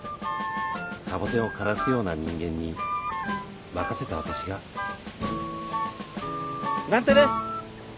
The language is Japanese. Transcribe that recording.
サボテンを枯らすような人間に任せた私が。なんてね。